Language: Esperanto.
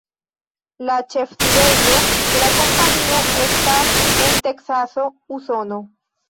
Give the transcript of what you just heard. La ĉefsidejo de la kompanio estas en Teksaso, Usono.